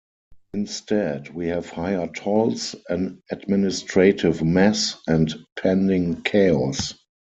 Instead, we have higher tolls, an administrative mess and pending chaos.